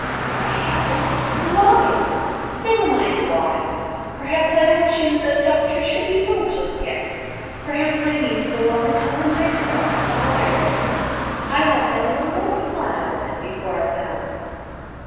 "Won't have it! and why?" "Never mind why. Perhaps I don't choose that the Doctor shall be told just yet; perhaps I mean to go up and tell him myself some other day. I want to have a little more fun out of it before I've done."